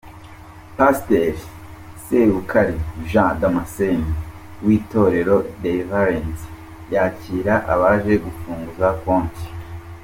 Pasteur Sebukari Jean Damascene w’Itorero Délivrance yakira abaje gufunguza konti.